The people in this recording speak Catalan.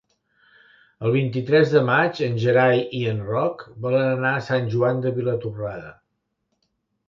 El vint-i-tres de maig en Gerai i en Roc volen anar a Sant Joan de Vilatorrada.